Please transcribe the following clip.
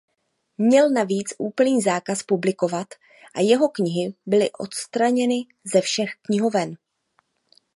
Měl navíc úplný zákaz publikovat a jeho knihy byly odstraněny ze všech knihoven.